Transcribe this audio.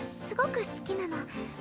すごく好きなの。